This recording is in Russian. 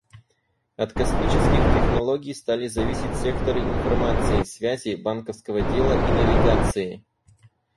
От космических технологий стали зависеть секторы информации, связи, банковского дела и навигации.